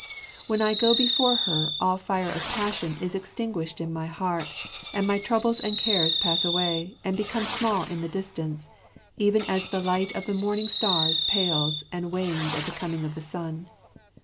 When I go before her all fire of passion is extinguished in my heart, and my troubles and cares pass away and become small in the distance, even as the light of the morning stars pales and wanes at the coming of the sun.